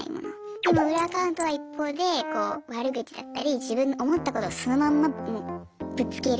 でも裏アカウントは一方で悪口だったり自分の思ったことをそのまんまもうぶつける。